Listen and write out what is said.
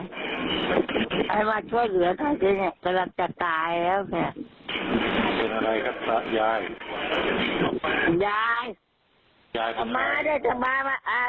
ให้มาช่วยเหลือตัดสายตัวเนี่ยกำลังจะตายแล้วแค่